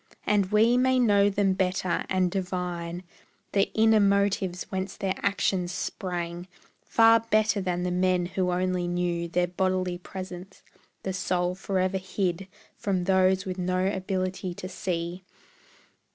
And we may know them better, and divine The inner motives whence their actions sprang, Far better than the men who only knew Their bodily presence, the soul forever hid From those with no ability to see.